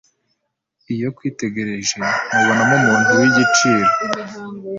Iyo kwitegereje nkubonamo umuntu w’igiciro